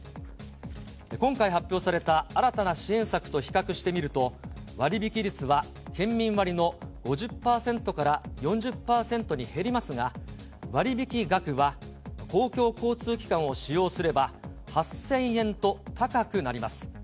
今回発表された新たな支援策と比較してみると、割引率は県民割の５０％から４０％に減りますが、割引額は公共交通機関を使用すれば、８０００円と高くなります。